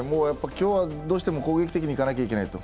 今日はどうしても攻撃的にいかなくちゃいけないと。